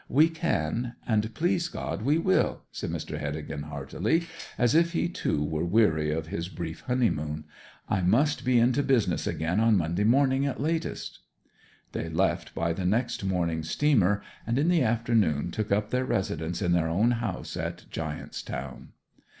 'We can. And please God we will!' said Mr. Heddegan heartily, as if he too were weary of his brief honeymoon. 'I must be into business again on Monday morning at latest.' They left by the next morning steamer, and in the afternoon took up their residence in their own house at Giant's Town.